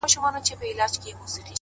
ښکاري و ویل که خدای کول داغه دی.